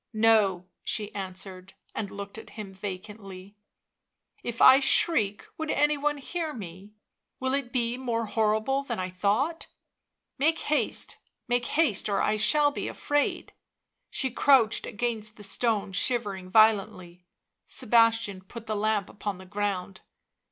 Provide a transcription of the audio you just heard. " No," she answered, and looked at him vacantly. " If I shriek would any one hear me ? Will it be more horrible than I thought ? Make haste — make haste — or I shall be afraid." She crouched against the stone, shivering violently. Sebastian put the lamp upon the ground.